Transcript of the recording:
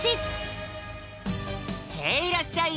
へいいらっしゃい！